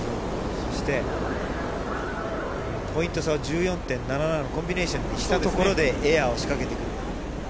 そしてポイント差は１４．７７のコンビネーションにしたところで、エアーを仕掛けてくる。